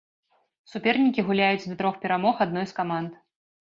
Супернікі гуляюць да трох перамог адной з каманд.